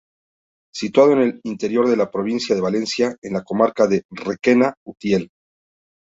Situado en el interior de la provincia de Valencia, en la comarca de Requena-Utiel.